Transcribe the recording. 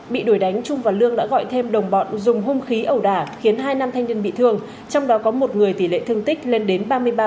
bị đuổi đánh trung và lương đã gọi thêm đồng bọn dùng hung khí ẩu đả khiến hai nam thanh niên bị thương trong đó có một người tỷ lệ thương tích lên đến ba mươi ba